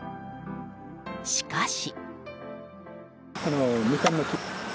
しかし。